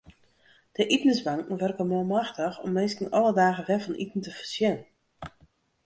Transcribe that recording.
De itensbanken wurkje manmachtich om minsken alle dagen wer fan iten te foarsjen.